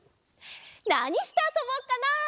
なにしてあそぼっかな？